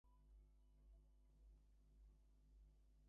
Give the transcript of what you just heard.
সেজন্য প্রবীরের কোনো অসুবিধা আছে মনে হয় না।